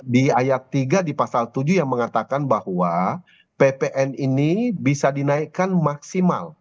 di ayat tiga di pasal tujuh yang mengatakan bahwa ppn ini bisa dinaikkan maksimal